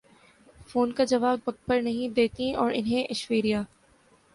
phone کا جواب وقت پر نہیں دیتیں اور انہیں ایشوریا